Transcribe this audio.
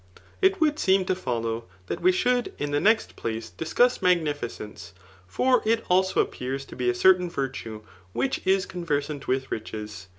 It would seem to follow that we should, in the next place, discuss magnificence ; for ^k also s^^ars to be a certain virtue which is conversant with riches.